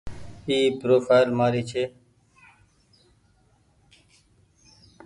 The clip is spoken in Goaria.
اي پروڦآئل مآري ڇي۔